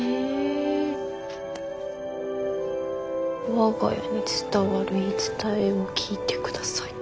「我が家に伝わる言い伝えを聞いてください！」。